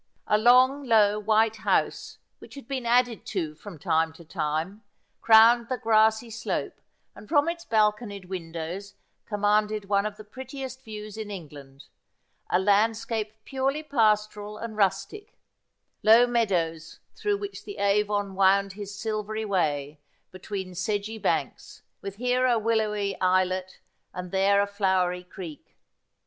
A long, low, white house, which had been added to 42 Asphodel, from time to time, crowned the grassy slope, and from its bal conied windows commanded one of the prettiest views in Eng land—a landscape purely pastoral and rustic ; low meadows through which the Avon wound his silvery way between sedgy banks, with here a willowy islet, and there a flowery creek.